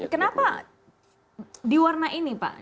kenapa di warna ini pak